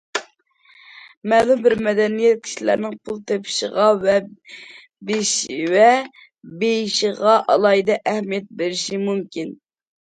مەلۇم بىر مەدەنىيەت كىشىلەرنىڭ پۇل تېپىشىغا ۋە بېيىشىغا ئالاھىدە ئەھمىيەت بېرىشى مۇمكىن.